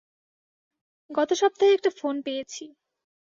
গতসপ্তাহে একটা ফোন পেয়েছি।